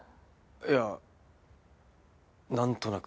いやなんとなく。